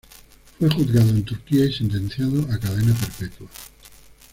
Fue juzgado en Turquía y sentenciado a cadena perpetua.